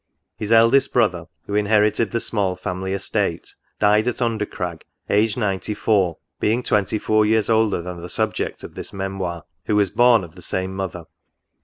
His eldest brother, who inherited the small family estate, died at Under crag, aged ninety four, being twenty four years older than the subject of this Memoir, who was born of the same mother.